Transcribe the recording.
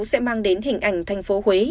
sẽ mang đến hình ảnh thành phố huế